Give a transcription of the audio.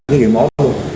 cái gì mốt luôn